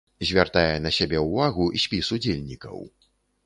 Звяртае на сябе ўвагу спіс удзельнікаў.